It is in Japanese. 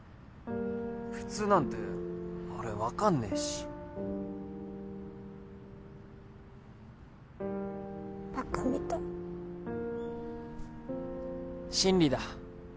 普通なんて俺分かんねえしバカみたい真理だ